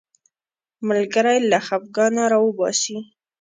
ملګری له خفګانه راوباسي